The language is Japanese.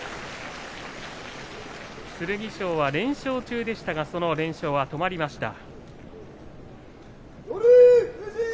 剣翔は連勝中でしたがその連勝は止まりました。